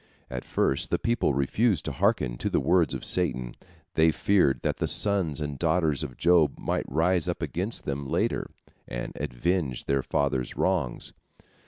At first the people refused to hearken to the words of Satan. They feared that the sons and daughters of Job might rise up against them later, and avenge their father's wrongs.